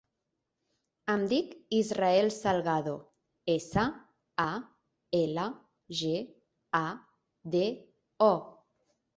Em dic Israel Salgado: essa, a, ela, ge, a, de, o.